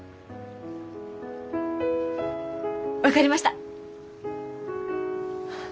分かりました！